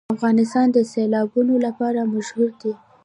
افغانستان د سیلابونه لپاره مشهور دی.